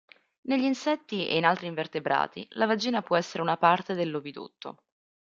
Negli insetti e in altri invertebrati, la vagina può essere una parte dell'ovidotto.